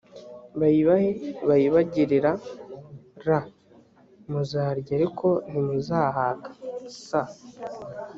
bayibahe bayibagerera r muzarya ariko ntimuzahaga s